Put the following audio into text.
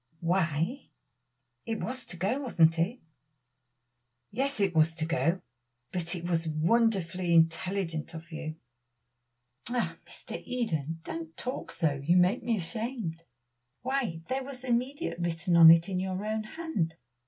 "Why, it was to go, wasn't it?" "Yes, it was to go, but it was wonderfully intelligent of you." "La! Mr. Eden, don't talk so; you make me ashamed. Why, there was 'immediate' written on it in your own hand.